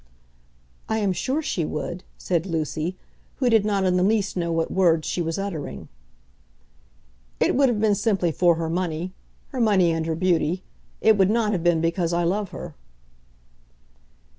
"I am sure she would," said Lucy, who did not in the least know what words she was uttering. "It would have been simply for her money, her money and her beauty. It would not have been because I love her."